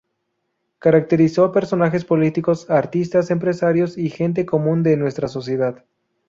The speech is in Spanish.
Caracterizó a personajes políticos, artistas, empresarios y gente común de nuestra sociedad.